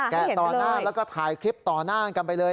ต่อหน้าแล้วก็ถ่ายคลิปต่อหน้ากันไปเลย